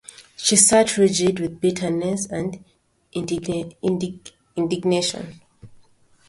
She sat rigid with bitterness and indignation.